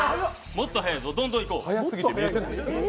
もっと早いぞ、どんどんいこう。